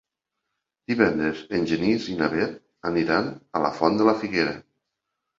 Divendres en Genís i na Bet aniran a la Font de la Figuera.